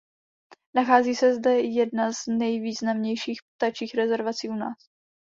Nachází se zde jedna z nejvýznamnějších ptačích rezervací u nás.